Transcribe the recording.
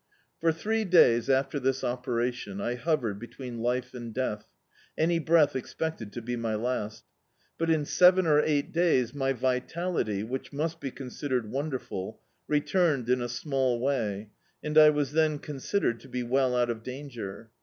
For three days after this opcratiwi I hovered be tween life and death, any breath expected to be my lasL But in seven or ei^t days my vitality, which must be considered wonderful, returned in a anall way, and I was then considered to be well out of danger.